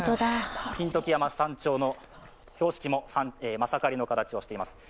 金時山山頂の標識もまさかりの形をしています。